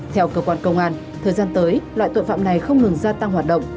theo cơ quan công an thời gian tới loại tội phạm này không ngừng gia tăng hoạt động